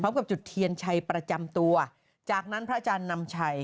กับจุดเทียนชัยประจำตัวจากนั้นพระอาจารย์นำชัย